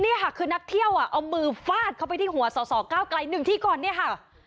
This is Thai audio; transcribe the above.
นี่ค่ะคือนักเที่ยวเอามือฟาดเข้าไปที่หัวสอสอก้าวไกล๑ที่ก่อนเนี่ยค่ะ